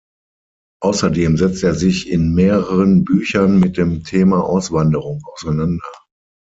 Außerdem setzt er sich in mehreren Büchern mit dem Thema Auswanderung auseinander.